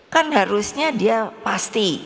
kan harusnya dia pasti